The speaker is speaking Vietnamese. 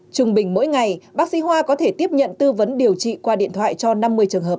trung bình mỗi ngày bác sĩ hoa có thể tiếp nhận tư vấn điều trị qua điện thoại cho năm mươi trường hợp